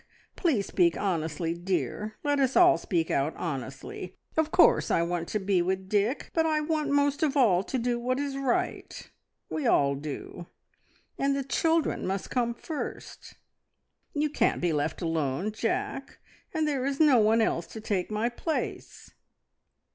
Please speak honestly, dear, let us all speak out honestly. Of course I want to be with Dick, but I want most of all to do what is right we all do and the children must come first. You can't be left alone, Jack, and there is no one else to take my place."